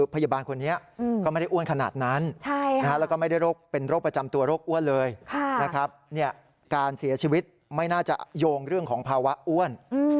เพราะกรณีของภาวะอ้วน